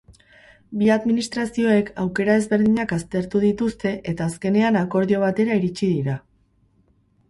Bi administrazioek aukera ezberdinak aztertu dituzte eta azkenean akordio batera iritsi dira.